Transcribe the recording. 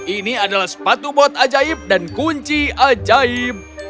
ini adalah sepatu bot ajaib dan kunci ajaib